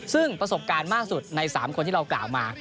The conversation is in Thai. ซึ่งประสบการณ์มากสุดใน๓คนที่เรากล่าวมา